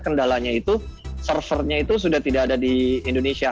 kendalanya itu servernya itu sudah tidak ada di indonesia